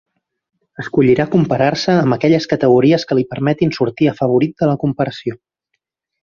Escollirà comparar-se amb aquelles categories que li permetin sortir afavorit de la comparació.